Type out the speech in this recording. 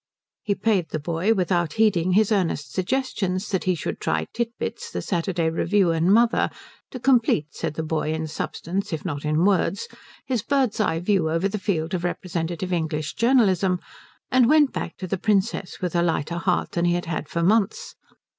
He paid the boy without heeding his earnest suggestions that he should try Tit Bits, the Saturday Review, and Mother, to complete, said the boy, in substance if not in words, his bird's eye view over the field of representative English journalism, and went back to the Princess with a lighter heart than he had had for months.